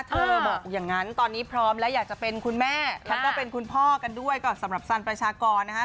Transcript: บอกอย่างนั้นตอนนี้พร้อมแล้วอยากจะเป็นคุณแม่ฉันก็เป็นคุณพ่อกันด้วยก็สำหรับสันประชากรนะคะ